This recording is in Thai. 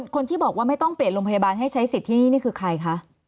คนที่บอกว่าไม่ต้องเปลี่ยนโรงพยาบาลให้ใช้สิทธิ์ที่นี่คือใครคะ